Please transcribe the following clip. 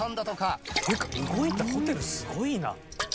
っていうか動いたホテルすごいな。